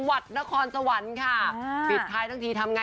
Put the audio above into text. ล่าสุดขอส่งท้ายที่นครสวรรค่ะ